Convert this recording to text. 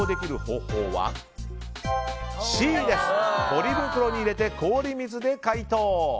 ポリ袋に入れて氷水で解凍。